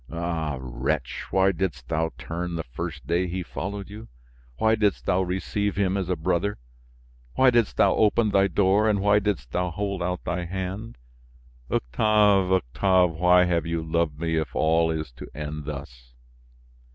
Ah! wretch! why didst thou turn the first day he followed you? Why didst thou receive him as a brother? Why didst thou open thy door, and why didst thou hold out thy hand? Octave, Octave, why have you loved me if all is to end thus!"